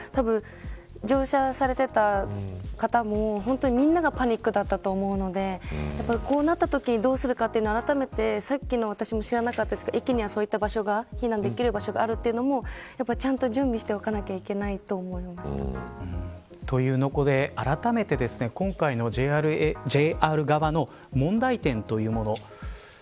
乗車されていた方もみんながパニックだったと思うのでこうなったときにどうするかというのをあらためて、さっきのことは私も知らなかったんですけど駅には避難できる場所があるというのもちゃんと準備しておかなければあらためて今回のＪＲ側の問題点というもの。